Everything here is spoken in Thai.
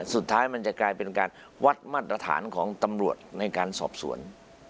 สุดท้ายมันจะกลายเป็นการวัดมาตรฐานของตำรวจในการสอบสวน